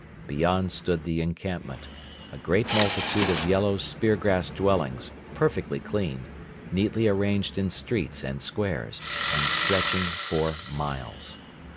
Beyond stood the encampment a great multitude of yellow spear grass dwellings, perfectly clean, neatly arranged in streets and squares, and stretching for miles.